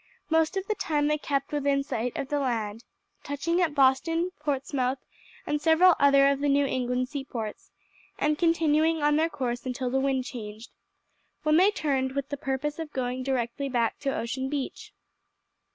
Most of the time they kept within sight of land, touching at Boston, Portsmouth, and several other of the New England seaports, and continuing on their course until the wind changed, when they turned, with the purpose of going directly back to Ocean Beach.